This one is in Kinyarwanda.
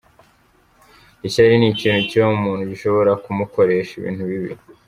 Ishyari ni ikintu kiba mu muntu gishobora ku mukoresha ibintu bibi.